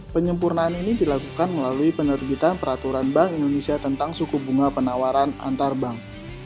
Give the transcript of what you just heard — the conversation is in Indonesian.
penyempurnaan ini dilakukan melalui penerbitan peraturan bank indonesia tentang suku bunga penawaran antar bank